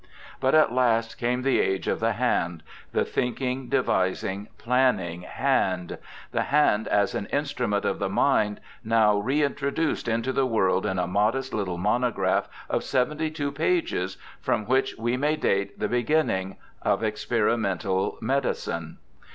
But at last came the age of the hand— the thinking, devising, planning hand ; the hand as an instrument of the mind, now reintroduced into the world in a modest little monograph of seventy two pages, from which we may date the beginning of experimental medicine.